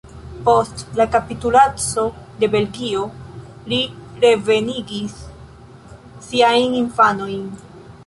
Post la kapitulaco de Belgio li revenigis siajn infanojn.